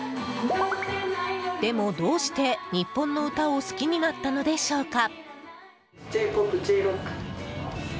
でも、どうして日本の歌を好きになったのでしょうか？